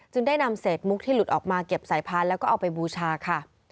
ได้นำเศษมุกที่หลุดออกมาเก็บสายพันธุ์แล้วก็เอาไปบูชาค่ะ